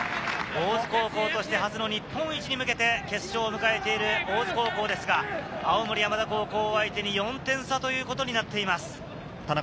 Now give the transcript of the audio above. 大津高校としてに初の日本一に向けて決勝を迎えている大津高校ですが、青森山田高校を相手に４点差ということになっています。